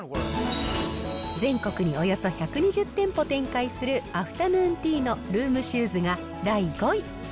全国におよそ１２０店舗展開する、アフタヌーンティーのルームシューズが第５位。